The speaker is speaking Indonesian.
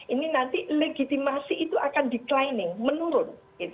ini nanti legitimasi itu akan menurun